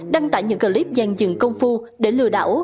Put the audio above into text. đăng tải những clip gian dừng công phu để lừa đảo